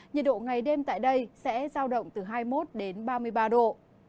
nhiệt độ ngày đêm tại đây sẽ giao động từ hai mươi một đến ba mươi ba độ